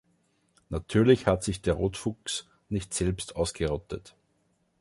Natürlich hat sich der Rotfuchs nicht selbst ausgerottet.